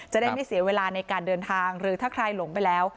จะได้ไม่เสียเวลาในการเดินทางหรือถ้าใครหลงไปแล้ว